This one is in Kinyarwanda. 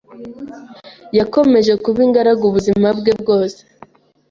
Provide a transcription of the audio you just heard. yakomeje kuba ingaragu ubuzima bwe bwose.